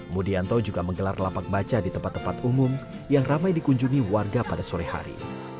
mudianto juga menggelar lapak baca di tempat tempat umum yang ramai dikunjungi warga pada sore hari